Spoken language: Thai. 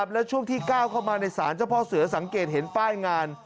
และช่วงที่ก้าวเข้ามาในศาลเจ้าพ่อเสือสังเกตเห็นป้ายงาน